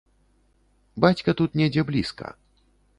Бацька тут недзе блізка.